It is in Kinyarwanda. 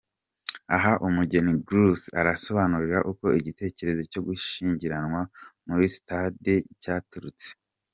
Aha umugeni Glauce arasobanura uko igitekerezo cyo gushyingiranirwa mu stade cyaturutse.